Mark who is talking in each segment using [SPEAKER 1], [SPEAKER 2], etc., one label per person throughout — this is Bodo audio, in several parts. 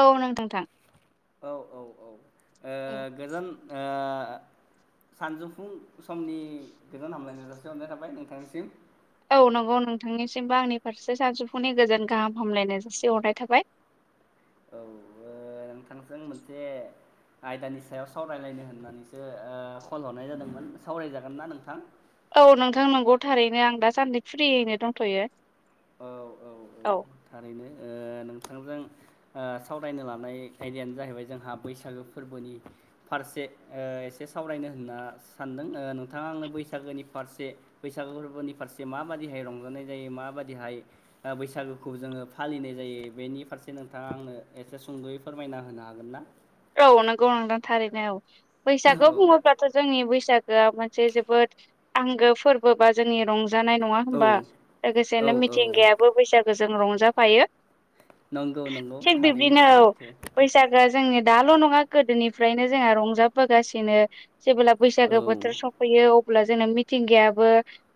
[SPEAKER 1] औ नोंथां थां
[SPEAKER 2] औ औ औ ओ
[SPEAKER 1] औ
[SPEAKER 2] गोजान ओ ओ सानजौफुं समनि गोजोन हामलायनाय जासि हरनाय थाबाय नोंथांनिसिम।
[SPEAKER 1] औ नंगौ नोंथांनिसिमबो आंनि फारसे सानसौफुनि गोजोन गाहाम हामलायनाय जासि हरनाय थाबाय।
[SPEAKER 2] [inaudible] औ ओ नोंथांजों मोनसे आयदानि सायाव सावरायलायनो होननानैस सो ओ कल हरनाय जादोंमोन। सावराय जागोन ना नोंथां?
[SPEAKER 1] औ नोंथां नोंगौ थारैनो आं दासान्दै फ्रियैनो दंथ'यो।
[SPEAKER 2] औ औ औ थारैनो ओ नोंथांजों ओ सावरायनो लानाय आयदायानो जाहैबाय जोंहा बैसागो फोरबोनि फारसे ओ एसे सावरायनो होनना सानदों ओ नोंथाङा आंनो बैसागोनि फारसे बैसागो फोरबोनि फारसे माबादि हे रंजानाय जायो मा बाद दिहाय ओ बैसागोखौ जोङो फालिनाय जायो बेनि फारसे नोंथाङा आंनो एसे सुंद'यै फोरमाय ना होनो हागोन ना?
[SPEAKER 1] औ नोंगौ नोंथां थारैनो औ बैसागु
[SPEAKER 2] औ
[SPEAKER 1] बुङोब्लाथ' जोंनि बैस सागोआ मोनसे जोबोद आंगो फोरबो बा जोंनि रं जानाय नङा
[SPEAKER 2] औ
[SPEAKER 1] होमबा
[SPEAKER 2] औ
[SPEAKER 1] लोगोसेनो
[SPEAKER 2] औ
[SPEAKER 1] मिथिंगायाबो बैसागोजों रंजाफायो।
[SPEAKER 2] नंगौ नंगौ
[SPEAKER 1] थिग
[SPEAKER 2] थारैनो
[SPEAKER 1] बिब्दिनो औ
[SPEAKER 2] सैथो
[SPEAKER 1] बैसागो जोंनि दाल' नङा गोदोनिफ्रायनो जोंहा रंजाबोगासिनो। जेबोला
[SPEAKER 2] औ
[SPEAKER 1] बैसागो बोथोर सफैयो अब्ला जोंना मिथिंगायाबो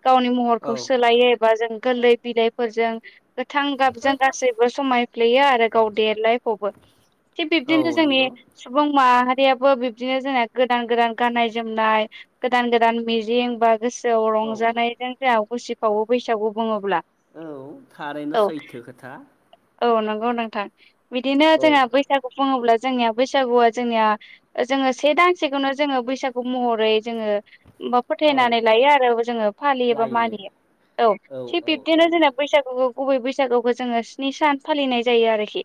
[SPEAKER 1] गावनि
[SPEAKER 2] औ
[SPEAKER 1] महरखौ सोलायो एबा जों गोरलै बिलायफोरजों गोथां गाबजों गासैबो समाय फ्यो आरो गाव देलायफबो। थिग
[SPEAKER 2] औ
[SPEAKER 1] बिब्दिनो जोंनि
[SPEAKER 2] नंगौ
[SPEAKER 1] सुबुं माहा रियाबो बिबदिनो जोंना गोदान गोदान गाननाय जोमनाय गोदान गोदान मिजिं बा गोसोआव
[SPEAKER 2] औ
[SPEAKER 1] रंजानायजों जोंहा उसिफावो बैसागु बुङोब्ला।
[SPEAKER 2] औ थारैनो
[SPEAKER 1] औ
[SPEAKER 2] सैथो खोथा।
[SPEAKER 1] औ नोंगौ नोंथां। बिदिनो
[SPEAKER 2] औ।
[SPEAKER 1] जोंहा बैसागु बुङोब्ला जोंनिया बैसागुआ जोंनिया जोङो से दानसेखौनो जोङो बैसागु महरै जोङो बा
[SPEAKER 2] औ
[SPEAKER 1] फोथायनानै लायो आरो जोङो फालियो बा
[SPEAKER 2] लायो
[SPEAKER 1] मानियो। औ थिग बिब्दिनो जोंना बैसागु गुबै बैसागुखौ जोङो स्नि सान फालिनाय जायो आरोखि।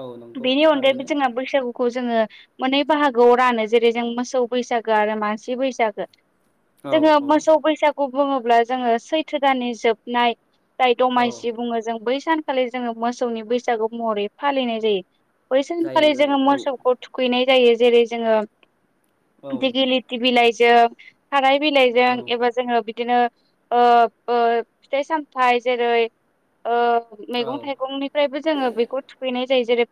[SPEAKER 2] औ नंगौ
[SPEAKER 1] बेनि अनगायैबो
[SPEAKER 2] थारैनो।
[SPEAKER 1] जोंहा बैसागुखौ जोङो मोननै बाहागोआव रानो। जेरै जों मोसौ बैसागो आरो मानसि बैसागो।
[SPEAKER 2] औ
[SPEAKER 1] जोङो
[SPEAKER 2] औ
[SPEAKER 1] मोसौ बैसागु बुङोब्ला जोङो सैथो दाननि जोबनाय जाय
[SPEAKER 2] औ
[SPEAKER 1] दमासि बुङो जों बै सानखालि जोङो मोसौनि बैसागु महरै फालिनाय जायो।
[SPEAKER 2] जायो
[SPEAKER 1] खालि जोङो
[SPEAKER 2] जायो
[SPEAKER 1] मोसौखौ थुखैनाय जायो जेरै जोङो
[SPEAKER 2] औ
[SPEAKER 1] दिगिलिति बिलाइ जों थाराय बिलाइजों
[SPEAKER 2] औ
[SPEAKER 1] एबा जोङो बिदिनो ओ ओ फिथाइ-सामथाइ जेरै ओ
[SPEAKER 2] औ
[SPEAKER 1] मैगं-थाइगंनिफ्रायबो जोङो बेखौ थुखैनाय जायो। जेरै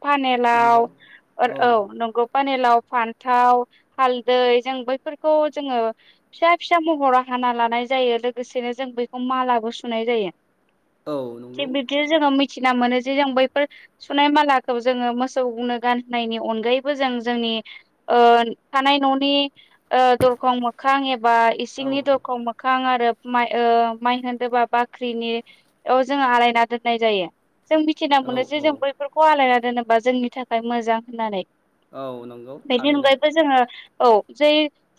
[SPEAKER 2] नंगौ
[SPEAKER 1] फानेलाव ओर औ नंगौ पानिलाव फान्थाव, हालदै जों बैफोरखौ जोङो फिसा फिसा महराव हाना लानाय जायो लोगोसेनो जों बैखौ मालाबो सुनाय जायो
[SPEAKER 2] औ नंगौ
[SPEAKER 1] थिग बिब्दिनो जोङो मै थिना मोनो जे जों बैफोर सुनाय मालाखौ जोङो मोसौ नो गानहोनायनि अनगायैबो जों जोंनि थानाय न'नि ओ दरखं मोखां एबा
[SPEAKER 2] औ
[SPEAKER 1] इसिंनि दरखं मोखां आरो माइ ओ माइ होनदोबा बाख्रिनि अ जोङो आलायना दोननाय जायो जों मिथिना
[SPEAKER 2] औ
[SPEAKER 1] मोनो जे जों
[SPEAKER 2] औ।
[SPEAKER 1] बैफोरखौ आलायना दोनोबा जोंनि थाखाय मोजां होननानै
[SPEAKER 2] औ नंगौ
[SPEAKER 1] बेनि
[SPEAKER 2] थारैनो
[SPEAKER 1] अनगायैबो जोङो औ जै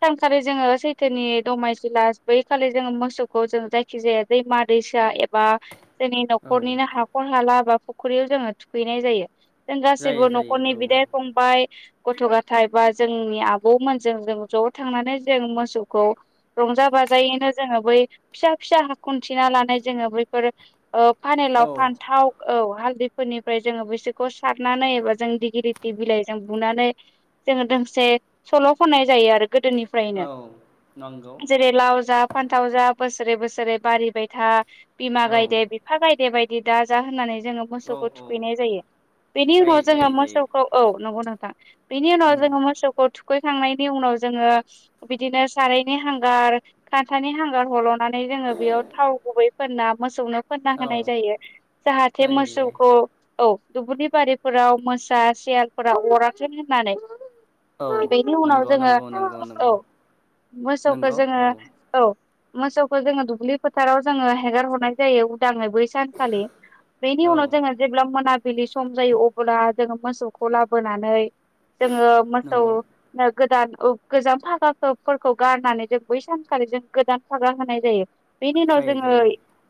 [SPEAKER 1] सानखालि जोङो सैथोनि दमायसि लास बैखालि जोङो मोसौखौ जों जायखि जाया दैमा-दैसा एबा जोंनि
[SPEAKER 2] औ
[SPEAKER 1] न'खरनिनो हाखर-हाला बा फुख्रियाव जोङो थुखैनाय जायो जों गासैबो
[SPEAKER 2] जायो
[SPEAKER 1] नि
[SPEAKER 2] जायो
[SPEAKER 1] बिदाय-फंबाय गथ' गथाय बा जोंनि आबौमोनजों जों ज' थांनानै जों मोसौखौ रंजा बाजायैनो जोङो बै फिसा फिसा हाखन्थिना लानाय जोङो बैफोर औ
[SPEAKER 2] औ
[SPEAKER 1] फानलाव फानथाव औ हालदैफोरनिफ्राय जोङो बिसोरखौ सारनानै एबा जों दिगिलिथि बिलाइजों बुनानै जोङो दोंसे सल' खननाय जायो आरो गोदोनिफ्रायनो
[SPEAKER 2] औ नंगौ
[SPEAKER 1] जेरै लाव जा फान्थाव जा बोसोरै बोसोरै बारिबाय था बिमा
[SPEAKER 2] औ
[SPEAKER 1] गायदे बिफा गायदे बायदि दा जा होननानै जोङो
[SPEAKER 2] औ
[SPEAKER 1] मोसौखौ
[SPEAKER 2] औ
[SPEAKER 1] थुखैनाय जायो बेनि उनाव
[SPEAKER 2] जायो
[SPEAKER 1] जोङो
[SPEAKER 2] जायो जायो
[SPEAKER 1] मोसौखौ औ नंगौ नोंथां बिनि उनाव जोङो मोसौखौ थुखैखांनायनि उनाव जोङो बिदिनो सारायनि हांगार खान्थानि हांगार हल'नानै जोङो बेयाव थाव गुबैफोनना मोसौनो फोनना होनाय
[SPEAKER 2] औ
[SPEAKER 1] जायो जाहाथे
[SPEAKER 2] जायो जायो।
[SPEAKER 1] मोसौखौ औ दुबुलि बारि फोराव मोसा सियालफोराव अराखै होननानै
[SPEAKER 2] औ
[SPEAKER 1] बेनि उनाव
[SPEAKER 2] नंगौ
[SPEAKER 1] जोङो
[SPEAKER 2] नंगौ नंगौ
[SPEAKER 1] औ
[SPEAKER 2] नंगौ
[SPEAKER 1] मोसौखौ
[SPEAKER 2] नंगौ
[SPEAKER 1] जोङो
[SPEAKER 2] औ
[SPEAKER 1] औ मोसौखौ जोङो दुब्लि फोथाराव जोङो हेगार हरनाय जायो दाङै बै सानखालि बेनि उनाव
[SPEAKER 2] औ
[SPEAKER 1] जोङो जेब्ला मोनाबिलि सम जायो अब्ला जोङो मोसौखौ लाबोनानै जोङो
[SPEAKER 2] नंगौ
[SPEAKER 1] मोसौनो गोदान गोजाम फागाफोरखौ गारनानै जों बै सानखालि जों गोदान भागा होनाय जायो बेनि उनाव
[SPEAKER 2] जायो
[SPEAKER 1] जोङो
[SPEAKER 2] जायो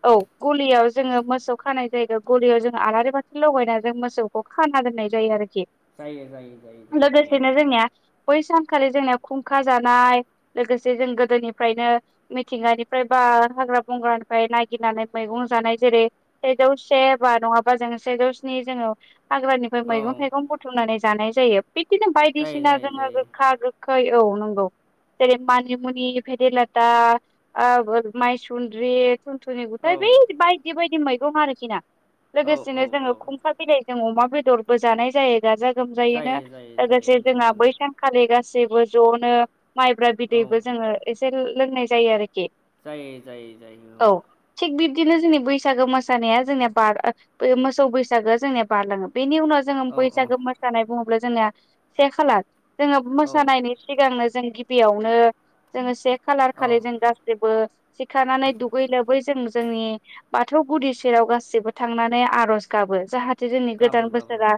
[SPEAKER 1] औ गलियाव जोङो मोसौ खानाय जायगाव गलियाव जोंङो आलारि बाथि लगायना जों मोसौ खाना दोननय जायो आरोखि
[SPEAKER 2] जायो जायो जायो जायो औ
[SPEAKER 1] लोगोसेनो जोंनिया बै सानखालि जोंनिया खुंखा जानाय लोगोसे जों गोदोनिफ्रायनो मिथिंगानिफ्राय हाग्रा बंग्रानिफ्राय नायगिरनानै मैगं जानाय जेरै सेजौ से बा नङाबा जोङो सेजौ स्नि जोङो हाग्रानिफ्राय
[SPEAKER 2] औ
[SPEAKER 1] मैगं थाइगं बुथुमनानै जानाय जायो बिदिनो
[SPEAKER 2] जायो
[SPEAKER 1] बायदिसिना
[SPEAKER 2] जायो
[SPEAKER 1] जोङो
[SPEAKER 2] जायो
[SPEAKER 1] गोखा गोखै औ नंगौ जेरै मानिमुनि भेदेलता मायसुन्द्रि थुनथुनि गुथाय बै
[SPEAKER 2] औ
[SPEAKER 1] बायदि बायदि मैगं आरोखि ना
[SPEAKER 2] औ औ
[SPEAKER 1] लोगोसेनो जोङो
[SPEAKER 2] औ
[SPEAKER 1] खुंखा जों अमा बेदरबो जानाय जायो गाजा गोमजायैनो
[SPEAKER 2] जायो जायो जायो
[SPEAKER 1] लोगोसे
[SPEAKER 2] जायो
[SPEAKER 1] जोंहा बै सानखालि गासिबो ज'नो माइब्रा
[SPEAKER 2] औ
[SPEAKER 1] बिदैबो जोङो एसे लोंनाय जायो आरोखि
[SPEAKER 2] जायो जायो जायो औ
[SPEAKER 1] बिदिनो जोंनि बैसागो मोसानाया जोंनिया बार मोसौ बैसागोआ जोंनिया बारलाङो बेनि उनाव जोङो
[SPEAKER 2] औ
[SPEAKER 1] बैसागो मोसानाय बुङोब्ला जोंनिया से खालार जोङो
[SPEAKER 2] औ
[SPEAKER 1] मोसानायनि सिगांनो जों गिबियावनो जोङो से खालार खालि
[SPEAKER 2] औ
[SPEAKER 1] जों गासिबो सिखारानानै दुगै लोबै जों जोंनि बाथौ गुदि सेराव गासिबो थांनानै आर'ज गाबो जाहाथे जोंनि गोदान
[SPEAKER 2] गाबो गाबो
[SPEAKER 1] बोसोरा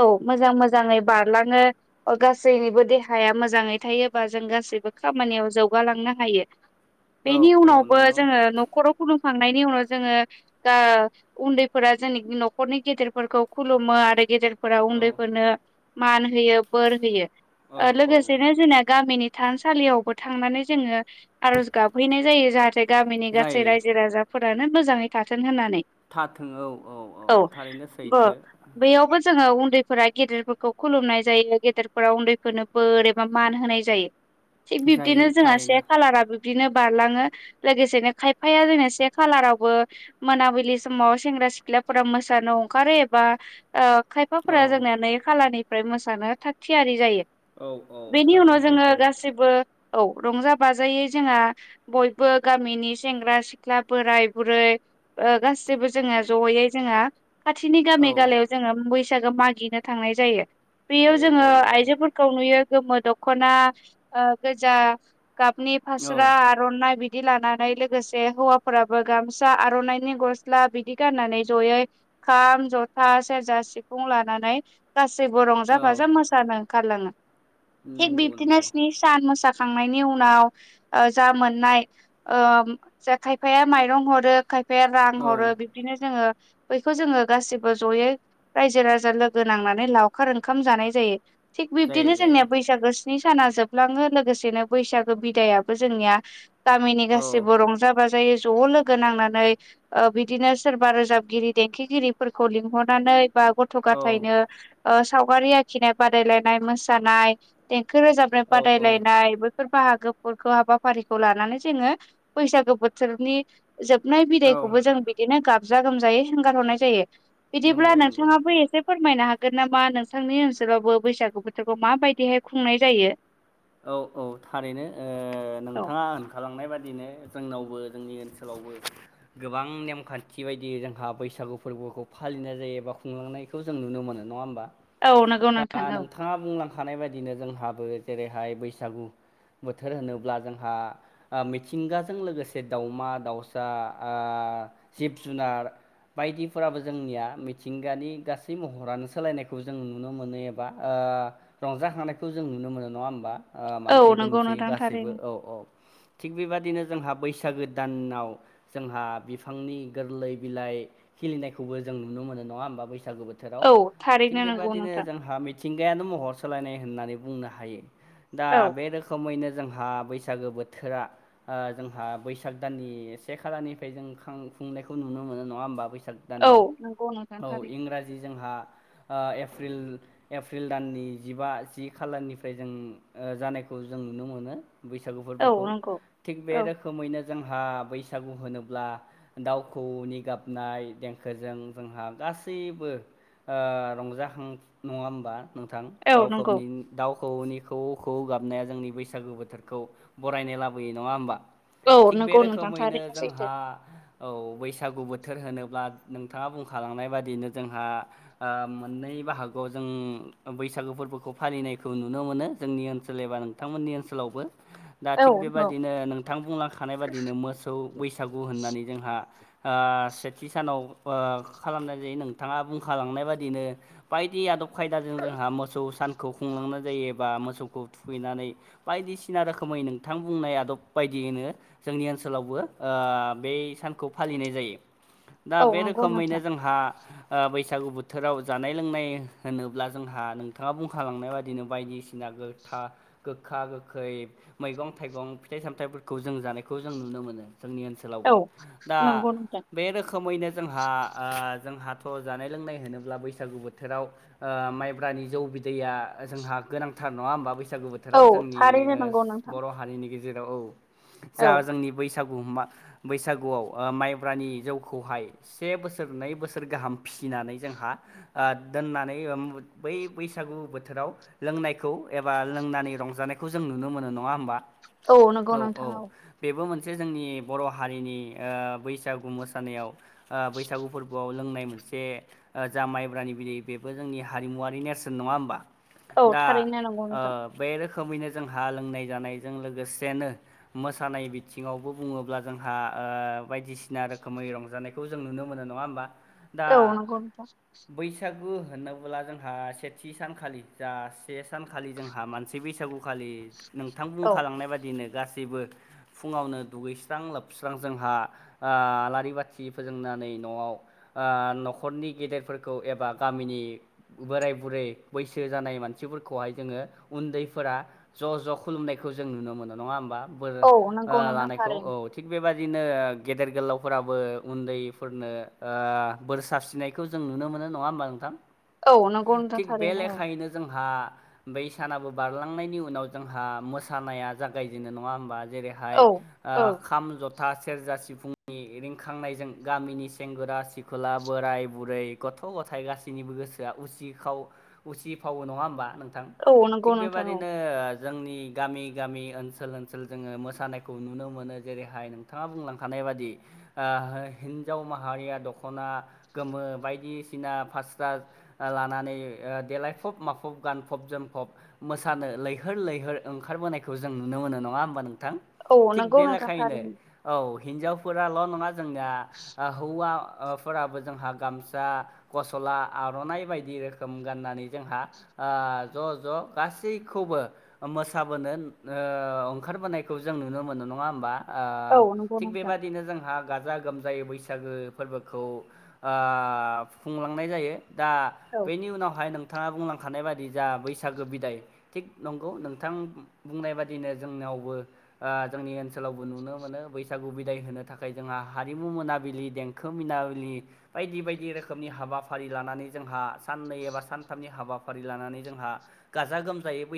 [SPEAKER 1] औ मोजां मोजाङै बारलाङो गासैनिबो देहाया मोजाङै थायोबा जों गासैबो खामानियाव जौगालांनो हायो
[SPEAKER 2] औ
[SPEAKER 1] बेनि
[SPEAKER 2] औ
[SPEAKER 1] उनावबो
[SPEAKER 2] नंगौ
[SPEAKER 1] जोङो न'खराव खुलु मखांनायनि उनाव जोङो उन्दैफोरा जोयनोखि नखरनि गेदेर फोरखौ खुलुमो आरो गेदेरफोरााव
[SPEAKER 2] औ
[SPEAKER 1] उन्दैफोरनो मान होयो बोर होयो
[SPEAKER 2] औ
[SPEAKER 1] लोगो
[SPEAKER 2] औ
[SPEAKER 1] लोगोसे नो जोंना गामिनि थानसालियावबो थांनानै जोङो आरज गाबहैनाय जायो। जाहाथे गामिनि गासै
[SPEAKER 2] जायो
[SPEAKER 1] रायजो राजाफोरानो मोजाङै थाथों होननानै।
[SPEAKER 2] थाथों औ औ औ थारैनो सै
[SPEAKER 1] बेैयावबो जोङो उन्दैफोरा गेदेरफोरखौ खुलुमनाय जायो गेदेरफोरा उन्दैफोरनो बोर एबा मान होनाय जायो। थिग
[SPEAKER 2] जायो
[SPEAKER 1] बिब्दिनो जोंहा
[SPEAKER 2] थारैनो
[SPEAKER 1] से खाालाराबो बिदिनो बारलाङो लोगोसेनो खायफाया जोंना से खालारावबो मोनाबिलि समाव सेंग्रा सिख्ला फोरा मोसानो अंखारो एबा खायफाफोरा
[SPEAKER 2] औ
[SPEAKER 1] जोंनाया नै खालानिफ्राय मोसानो थाग थियारि जायो।
[SPEAKER 2] औ औ
[SPEAKER 1] बेनि उनाव
[SPEAKER 2] थारैनो
[SPEAKER 1] जोङो
[SPEAKER 2] सैथो
[SPEAKER 1] गासैबो औ रंजा बाजायै जोंहा बयबो गामिनि सेंग्रा सिख्ला बोराय बुरै गासैबो जोङो जयै जोङा खाथिनि गामि
[SPEAKER 2] औ
[SPEAKER 1] गालायाव जोङो बैसागो मागिनो थांनाय जायो। बेयाव
[SPEAKER 2] जायो
[SPEAKER 1] जोङो
[SPEAKER 2] जायो जायो
[SPEAKER 1] आइजोफोरखौ नुयो गोमो दखना गोजा गाबनि फास्रा
[SPEAKER 2] औ
[SPEAKER 1] आर'नाय बिमा दानाय लोगोसे हौवाफोराबो गामसा आर'नाइनि गस्ला बिदि गाननानै जयै खाम जथा सेरजा सिफुं लानानै गासैबो रंजा
[SPEAKER 2] औ
[SPEAKER 1] बाजा मोसानो ओंखारलाङो। थिग
[SPEAKER 2] नंगौ
[SPEAKER 1] बिबदिनौ
[SPEAKER 2] नंगौ
[SPEAKER 1] सान मोसा खां खांनायनि उनाव जा मोननाय खायफाया माइरं हरो खायफाया रां
[SPEAKER 2] औ
[SPEAKER 1] हरो बिब्दिनो जोङो बैखौ जोङो गासिबो जयै रायजो राजा लोगो नांनानै लावखार ओंखाम जानाय जायो। थिक
[SPEAKER 2] जायो
[SPEAKER 1] बिबदिनो
[SPEAKER 2] जायो
[SPEAKER 1] जोंनिया बैसागो स्नि साना जोबलाङो लोगोसेनो बैसागो बिदायाबो जोंनिया गामिनि
[SPEAKER 2] औ
[SPEAKER 1] गासिबो रंजा बाजायै ज' लोगो नांनानै बिदिनो सोरबा रोजाबगिरि देंखोगिरिफोरखौ लिंहरनानै बा गथ'
[SPEAKER 2] औ
[SPEAKER 1] गाथायनो सावगारि आखिनाय बादायलायनाय मोसानाय थाखो रोजाबनाय
[SPEAKER 2] औ औ
[SPEAKER 1] बादायलायनाय बैफोर बाहागो फोरखौ हाबाफारिखौ लानानै जोंङो बैसागो बोथोरनि जोबनाय
[SPEAKER 2] औ
[SPEAKER 1] बिदैखौबो जों बिदिनो गाबजा गोमजायै हगार हरनाय जायो। बिदिब्ला
[SPEAKER 2] नंगौ नंगौ
[SPEAKER 1] नोंथांङाबो एसे फोरमायनो हागोन हागोन नामा नोंथांनि ओनसोलावबो बैसागु बोथोरखौ माबायदिहाय खुंनाय जायो।
[SPEAKER 2] औ औ थारैनो
[SPEAKER 1] औ
[SPEAKER 2] नोंथांङा होनखालांनाय बादिनो जोंनावबो जोंनि ओनसोलावबो गोबां नेमखान्थि बायदि जोंहा बैसागु फोरबोखौ फालिनाय जायो एबा खुंलांनायखौ जों नुनो मोनो नंङा होमबा?
[SPEAKER 1] औ नोंगौ नों नोंथां औ
[SPEAKER 2] थाखाखानाय बायदिनो जोंहाबो जेरैहाय बैसागु बोथोर होनोब्ला जोंहा मिथिंगाजों लोगोसे दाउमा दाउसा ओ जिब जुनार बायदिफोराबो जोंनिया मिथिंगानि गासै महरानो सोलायनायखौ जों नुनो मोनो एबा ओ ओ रंजाखांनायखौ जों नुनो मोनो नङा आ
[SPEAKER 1] औ
[SPEAKER 2] मानसि
[SPEAKER 1] नंगौ
[SPEAKER 2] दुमसि
[SPEAKER 1] नोंथां थारैनो
[SPEAKER 2] औ औ थिग बेबायदिनो जोंहा बैसागो दानाव जोंहा बिफांनि गोरलै बिलाइ खिलिनायखौबो जों जों नुनो मोनो नंङा होमबा बै बैसागु बोथोराव
[SPEAKER 1] औ
[SPEAKER 2] थिग
[SPEAKER 1] थारैनो नंगौ
[SPEAKER 2] बेबादिनो
[SPEAKER 1] नोंथां
[SPEAKER 2] जोंहा मिथिंगायानो महर सोलायनाय होननानै बुंनो हायो। दा
[SPEAKER 1] औ
[SPEAKER 2] बे रोखोमैनो जोंहा बैसागो बोथोरा जोंहा बैसाग दाननि से खालानिफ्राय जों खुफुंनायखौ नुनो मोनो नंङा होमबा बैसाग
[SPEAKER 1] औ
[SPEAKER 2] दानाव
[SPEAKER 1] नंगौ नोंथां
[SPEAKER 2] औ
[SPEAKER 1] थारैनो
[SPEAKER 2] इंराजि जोंहा एप्रिल दाननि जिबा जि खालारनिफ्राय जों जानायखौ जों नुनो मोनो बैसागु
[SPEAKER 1] औ
[SPEAKER 2] फोरबोखौ
[SPEAKER 1] नंगौ
[SPEAKER 2] थिग बे
[SPEAKER 1] औ
[SPEAKER 2] रोखोमैनो जों जोंहा बैसागु होनोब्ला दाउखौनि गाबनाय देंखोजों जोंहा गा गासैबो रंजाखां नंङा होमबा नोंथां
[SPEAKER 1] औ नंगौ
[SPEAKER 2] दाउबनि दाउ। खौनि खौ खौ गाबनाया जोंनि बैसागु बोथोरखौ बरायनाय लाबोयो नंङा होमबा।
[SPEAKER 1] औ
[SPEAKER 2] थिग बे
[SPEAKER 1] नंगौ नोंथां
[SPEAKER 2] रोखोमैनो
[SPEAKER 1] थारैनो सैथो
[SPEAKER 2] जोंहा औ बैसागु बोथोर। बोथोर होनोब्ला नोंथांङा बुंखालांनाय बायदियैनो जोंहा मोननै बाहागोआव जों। बैसागु फोरबोखौ फालिनायखौ नुनो मोनो जोंनि ओनसोल एबा नोंथांमोननि ओनसोलावबो। दा
[SPEAKER 1] औ
[SPEAKER 2] थिग
[SPEAKER 1] नंगौ
[SPEAKER 2] बेबायाददिनो नोंथां बुंलांखानाय बादिनो मोसौ बैसागु होननानै जोंहा। सेथि सानाव खालामनाय जायो नोंथाङा बुंखालांनाय बादिनो बायदि आदब खायदाजों जोंहा मोसौ सान खुंलांनाय जायोबा मोसौखौ थुखैनानै बायदिसिना रोखोमै नोंथां बुंनाय आदब बायदियैनो। जोंनि ओनसोलावबो ब सानखौ फालिनाय जायो। दा
[SPEAKER 1] औ
[SPEAKER 2] बे
[SPEAKER 1] नंगौ
[SPEAKER 2] रोखोमैनो
[SPEAKER 1] नोंथां
[SPEAKER 2] जोंहा बैसागु बोथोराव जानाय लोंनाय होनोब्ला जोंहा नोंथांङा बुंखालांनो बायदिनो बायदिसिना गो गोखा गोखै मैगं थाइगं फिथाइ सामथायफोरखौ। जों जानायखौ जों नुनो मोनो। जोंनि ओनसोलावबो
[SPEAKER 1] औ
[SPEAKER 2] दा
[SPEAKER 1] नंगौ नोंथां
[SPEAKER 2] बे रोखोमैनो जोंहा जोंहा। थय जानाय लोंनाय होनोब्ला बैसागु बोथोराव माइब्रानि जौ बिदैया। जोंहा गोनांथार नंङा होमबा बैसागु
[SPEAKER 1] औ
[SPEAKER 2] बोथोराव जोंनि
[SPEAKER 1] थारैनो नंगौ नोंथां
[SPEAKER 2] बर' हारिनि गेजेराव औ। जा
[SPEAKER 1] औ
[SPEAKER 2] जोंनि बै। बैसागुआव माइब्रानि जौखौहाय से बोसोर नै बोसोर गाहाम फि फिसिनानै जोंहा दोननानै बै बैसागु बोथोर बोथोराव लोंनायखौ एबा लोंनानै रंजानायखौ जों नुनो मोनो नंङा होमबा?
[SPEAKER 1] औ नंगौ नोंथां औ।
[SPEAKER 2] मोनसे जोंनि बर' हारिनि बैसागु मोसानायाव बैसागु फोरबोआव लोंनाय मोनसे। से जा माइब्रानि बिलै बेबो जोंनि हारिमुवारि नेरसोन नंङा होमबा?
[SPEAKER 1] औ
[SPEAKER 2] दा
[SPEAKER 1] थारैनो नंगौ नोंथां
[SPEAKER 2] बे रोखोम रोखोमैनो जोंहा लोंनाय जानायजों लोगोसेनो मोसानाय बिथिङावबो बुङोब्ला जोंहा। बायदिसिना रोखोमै रंजानायखौ जों नुनो मोनो नङा होमबा? दा
[SPEAKER 1] औ नंगौ नोंथां
[SPEAKER 2] बैसागो होनबोला जोंहा सेथि सानखालि जा से सानखालि जोंहा मानसि बैसागोखालि नोंथां
[SPEAKER 1] औ
[SPEAKER 2] बुंखालांनाय बायदिनो गासैबो फुङावनो दुगैस्रां लोबस्रां जोंहा आलारि बाथिफोरजोंनो न'आव न'खरनि गेदेरफोरखौ एबा गामिनि बोराय बुरै बैसो सो जानाय मानसिफोरखौहाय जोङो उन्दैफोरा ज' ज' खुलुमनायखौ जों नुनो मोनो नङा होमबा? बोर
[SPEAKER 1] औ नंगौ नोंथां
[SPEAKER 2] लानायखौ औ
[SPEAKER 1] थारैनो
[SPEAKER 2] थिग बेबायदि बिदिनो गेदेर गोलावफोराबो उन्दैफोरनो बोर सारस्रिनायखौ जों नुनो मोनो। नङा होमबा नोंथां?
[SPEAKER 1] औ नोंगौ नंगो नोंथां थारैनो औ
[SPEAKER 2] नो जोंहा बै सानाबो बारलांनायनि उनाव जोंहा मोसानाया जागायजेनो नङा होमबा? जेरैहाय
[SPEAKER 1] औ
[SPEAKER 2] खाम, जथा जथा सेरजा सिफुंनि रिंखांनायजों गामिनि सेंगोरा सिखला बोराय बुरै गथ गथ' गथाय गासैनिबो गोसोआ उसि उसिफावो नङा होमबा नों
[SPEAKER 1] औ
[SPEAKER 2] थिग
[SPEAKER 1] नंगौ नोंथां औ
[SPEAKER 2] बेबायदिनो जोंनि गामि गामि ओनसोल ओनसोल जोङो मोसानायखौ नुनो मोनो जेरैहाय नोंथाङा बुंलांखानाय। हिनजाव माहारिया दख'ना गोमो बायदिसिना फास्रा। लानानै देलायफब माफब गानफब जोमफब मोसानो लैहोर लैहोर ओंखारबोनायखौ जों नुनो मोनो। नाडा होमबा नोंथां
[SPEAKER 1] औ
[SPEAKER 2] बे
[SPEAKER 1] नंगौ
[SPEAKER 2] दिन
[SPEAKER 1] नोंथां
[SPEAKER 2] खालैनो
[SPEAKER 1] थारैनो
[SPEAKER 2] औ। हिन्जावफोराल' नङा जोंना हौवा। फोराबो जोंहा गामसा गसला आर'नाइ बायदि रोखोम। रोखोम गाननानै जोंहा ओ ज' ज' गासैखौबो मोसाबोनो ओ ओंखारबोनायखौ जों नुनो मोननाय ना होनबा ओ
[SPEAKER 1] औ नंगौ
[SPEAKER 2] थिग
[SPEAKER 1] नोंथां
[SPEAKER 2] बेबदिनो जोंहा गाजा गोमजायै बैसागो फोरबोखौ खुंलांनाय जायो दा
[SPEAKER 1] औ
[SPEAKER 2] बेनि उनावहाय नोंथाङा बुंनां खानाय बादि जा बैसागो बिदाय थिग नंगौ नोंथां बुंनाय बादिनो जोंनावबो जोंनि ओनसोलावबो नुनो मोनो बैसागो बिदाय होनो थाखाय जोंहा हारिमु मोनाबिलि देंखो मोनाबिलि बायदि बायदि रोखोमनि हाबाफारि लानानै जोंहा साननै एबा सानथामनि हाबाफारि लानानै जोंहा गाजा गोमजायै बैसागो